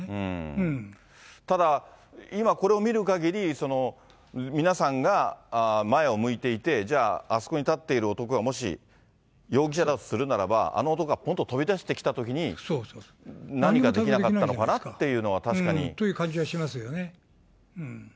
ただ、今、これを見るかぎり、皆さんが前を向いていて、じゃあ、あそこに立っている男がもし、容疑者だとするならば、あの男がぽんと飛び出してきたときに、何かできなかったのかなっという感じはしますよね。